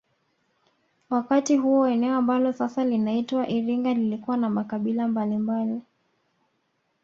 Wakati huo eneo ambalo sasa linaitwa iringa lilikuwa na makabila mbalimbali